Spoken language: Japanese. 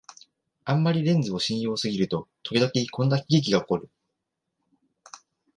あんまりレンズを信用しすぎると、ときどきこんな喜劇がおこる